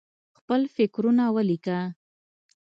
خپل فکرونه ولیکه.